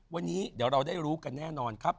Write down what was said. วันนี้เดี๋ยวเราได้รู้กันแน่นอนครับ